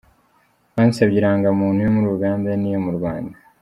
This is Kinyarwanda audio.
Bansabye Irangamuntu yo muri Uganda n’iyo mu Rwanda.”